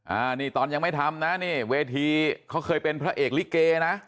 อันนี้ตอนยังไม่ทำนะนี่เวทีเขาเคยเป็นพระเอกลิเกนะ